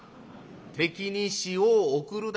「『敵に塩を送る』だ」。